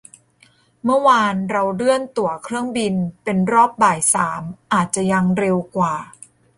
เมื่อวานเราเลื่อนตั๋วเครื่องบินเป็นรอบบ่ายสามอาจจะยังเร็วกว่า